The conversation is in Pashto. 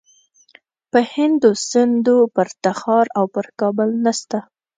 په هند و سند و پر تخار او پر کابل نسته.